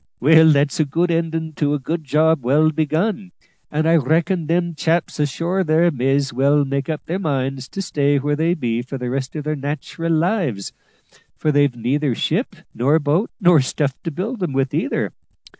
Well, that's a good endin' to a good job well begun, and I reckon them chaps ashore there may's well make up their minds to stay where they be for the rest of their nat'ral lives, for they've neither ship nor boats, nor stuff to build 'em with either.